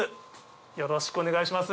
よろしくお願いします。